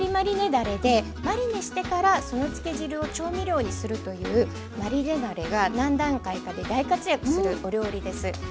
だれでマリネしてからその漬け汁を調味料にするというマリネだれが何段階かで大活躍するお料理です。